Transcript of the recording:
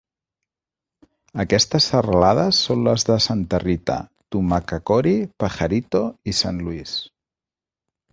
Aquestes serralades són les de Santa Rita, Tumacacori, Pajarito i San Luis.